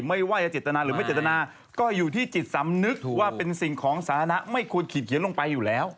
ไม่ว่าจะเจตนาหรือไม่เจตนาก็อยู่ที่จิตสำนึกว่าเป็นสิ่งของสาธารณะไม่ควรขีดเขียนลงไปอยู่แล้ว